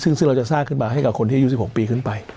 ซึ่งเราจะสร้างขึ้นมาให้กับคนที่อายุ๑๖ปีขึ้นไป